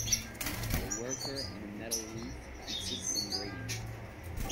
A worker on a metal roof fixes some grating